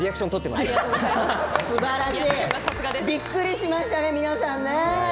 びっくりしましたね皆さん。